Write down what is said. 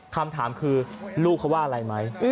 คำถามคือลูกเขาว่าอะไรไหม